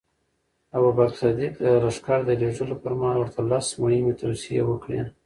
ابوبکر صدیق د لښکر د لېږلو پر مهال ورته لس مهمې توصیې وکړې.